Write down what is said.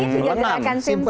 jadi ini juga akan simple